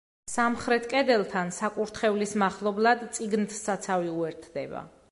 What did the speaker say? სამხრეთ კედელთან, საკურთხევლის მახლობლად წიგნთსაცავი უერთდება.